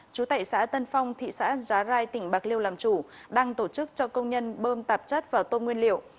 chú tại xã tân phong thị xã giá rai tỉnh bạc liêu làm chủ đang tổ chức cho công nhân bơm tạp chất vào tôm nguyên liệu